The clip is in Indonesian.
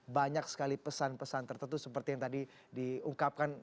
banyak sekali pesan pesan tertentu seperti yang tadi diungkapkan